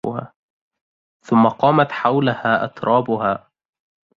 ثم قامت حولها أترابها